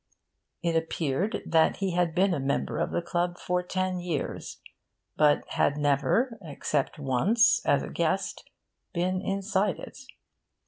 It appeared that he had been a member of the club for ten years, but had never (except once, as a guest) been inside it.